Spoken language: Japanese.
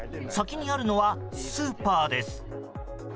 先にあるのはスーパーです。